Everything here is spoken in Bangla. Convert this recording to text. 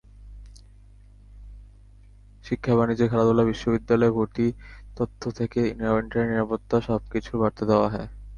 শিক্ষা, বাণিজ্য, খেলাধুলা, বিশ্ববিদ্যালয়ে ভর্তি তথ্য থেকে ইন্টারনেট নিরাপত্তা—সবকিছুর বার্তা দেওয়া হয়।